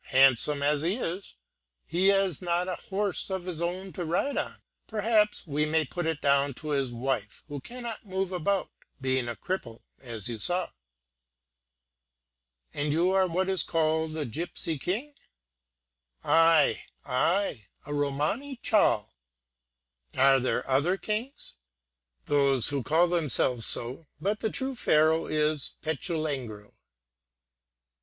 Handsome as he is, he has not a horse of his own to ride on. Perhaps we may put it down to his wife, who cannot move about, being a cripple, as you saw." "And you are what is called a Gipsy King?" "Ay, ay; a Romany Chal." "Are there other kings?" "Those who call themselves so; but the true Pharaoh is Petulengro."